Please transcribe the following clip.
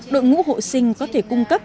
đội ngũ hộ sinh có thể cung cấp